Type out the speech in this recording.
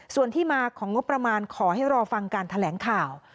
ส่วนที่มาของงบประมาณขอให้รอฟังการแถลงข่าว